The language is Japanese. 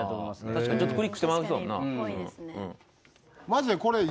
確かにちょっとクリックしてまいそうやもんな。